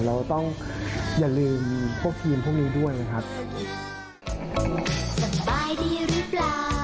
เราต้องอย่าลืมพวกทีมพวกนี้ด้วยนะครับ